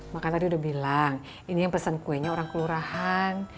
maka tadi udah bilang ini yang pesen kuenya orang kelurahan